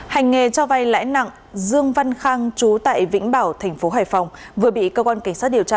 hành nghề cho vay lãi nặng dương văn khang trú tại vĩnh bảo tp hải phòng vừa bị cơ quan cảnh sát điều tra